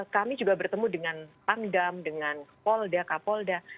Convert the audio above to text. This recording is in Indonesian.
kami juga bertemu dengan pangdam dengan polda kapolda